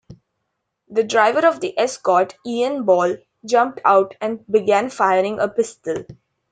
The driver of the Escort, Ian Ball, jumped out and began firing a pistol.